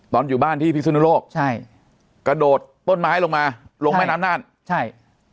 อยู่บ้านที่พิสุนุโลกใช่กระโดดต้นไม้ลงมาลงแม่น้ำน่านใช่